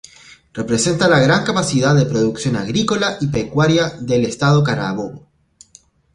Representa la gran capacidad de producción agrícola y pecuaria del Estado Carabobo.